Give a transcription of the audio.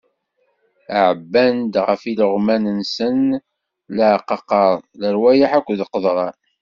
Ɛebban-d ɣef ileɣman-nsen leɛqaqer, lerwayeḥ akked qeḍran.